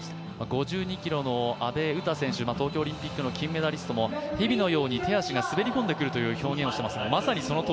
５２キロの阿部詩選手、東京オリンピックの金メダリストも、蛇のように手足が滑り込んでくると言っていました。